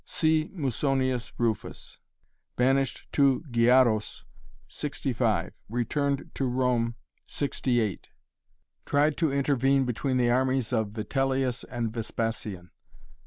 C Musonius Rufus Banished to Gyaros ... 65 Returned to Rome ... 68 Tried to intervene between the armies of Vitellius and Vespasian